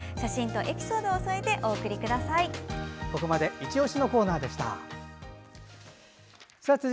写真とエピソードを添えてお送りください。